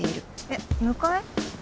えっ迎え？